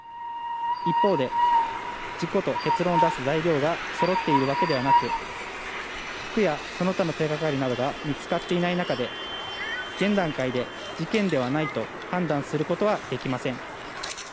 一方で事故と結論を出す材料がそろっているわけではなく服や、その他の手掛かりなどが見つかっていない中で現段階で事件ではないと判断することはできません。